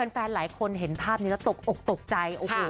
แฟนหลายคนเห็นภาพนี้แล้วตกตกใจ